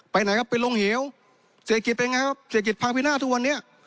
ไหนครับไปลงเหวเศรษฐกิจเป็นไงครับเศรษฐกิจพังพินาศทุกวันนี้